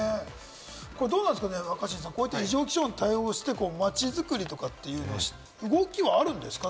どうなんですか若新さん、異常気象に対応して、街づくりとかというのは動きはあるんですか？